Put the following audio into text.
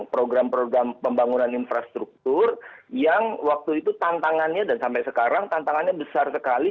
program program pembangunan infrastruktur yang waktu itu tantangannya dan sampai sekarang tantangannya besar sekali